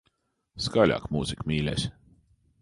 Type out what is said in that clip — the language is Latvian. Skaļāk mūziku, mīļais.